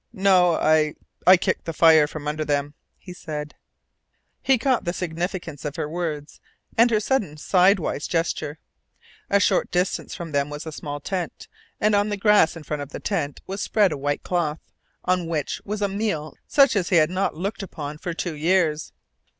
"No I I kicked the fire from under them," he said. He caught the significance of her words, and her sudden sidewise gesture. A short distance from them was a small tent, and on the grass in front of the tent was spread a white cloth, on which was a meal such as he had not looked upon for two years.